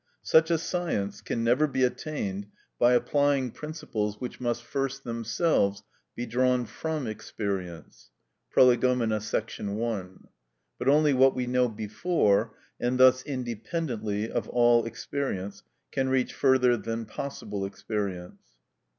Such a science can never be attained by applying principles which must first themselves be drawn from experience (Prolegomena, § 1); but only what we know before, and thus independently of all experience, can reach further than possible experience.